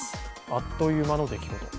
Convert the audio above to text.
あっという間の出来事。